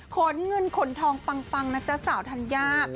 ขนเงินขนทองปังนะจ๊ะสาวธัญญา